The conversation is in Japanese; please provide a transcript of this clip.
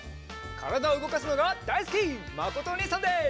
からだをうごかすのがだいすきまことおにいさんです！